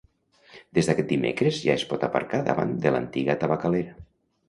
Des d'aquest dimecres ja es por aparcar davant de l'antiga Tabacalera.